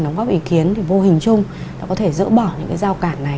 đóng góp ý kiến vô hình chung có thể dỡ bỏ những giao cản này